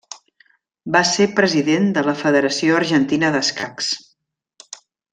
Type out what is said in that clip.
Va ser President de la Federació Argentina d'Escacs.